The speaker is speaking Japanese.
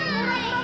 はい。